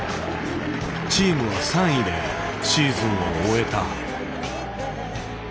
チームは３位でシーズンを終えた。